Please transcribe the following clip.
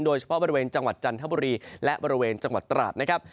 โดยเฉพาะบริเวณจังหวัดจันทบุรีและบริเวณจังหวัดตราดนะครับ